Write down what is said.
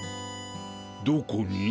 どこに？